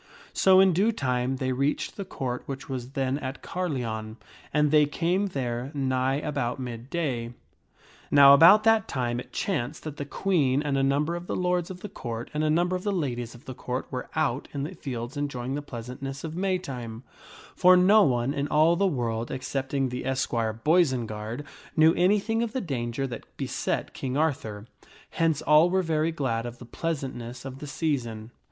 So in due time they reached the Court, which was then at Carleon. And they came there nigh about mid day. Now about that time it chanced that the Queen and a number of the lords of the Court, and a number of the ladies of the Court, were out in the fields enjoying the pleasantness of the Maytime ; for no one in all the world, excepting the esquire, Boisenard, knew anything of the danger that beset King Arthur ; hence all were very glad of the pleasantness of the season.